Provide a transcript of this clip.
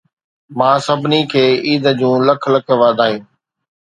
مان سڀني کي عيد جون لک لک واڌايون